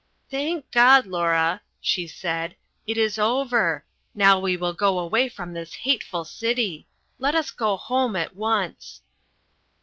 "Thank God, Laura," she said, "it is over. Now we will go away from this hateful city. Let us go home at once."